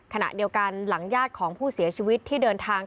ขณะเดียวกันหลังญาติของผู้เสียชีวิตที่เดินทาง